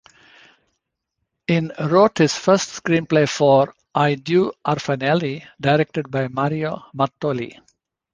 In wrote his first screenplay for "I due orfanelli", directed by Mario Mattoli.